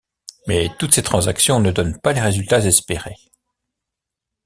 Mais toutes ces transactions ne donnent pas les résultats espérés.